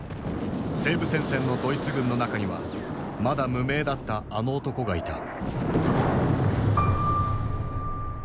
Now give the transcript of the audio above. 西部戦線のドイツ軍の中にはまだ無名だったあの男がいた。